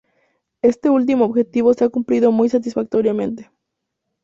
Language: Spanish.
Este último objetivo se ha cumplido muy satisfactoriamente.